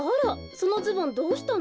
そのズボンどうしたの？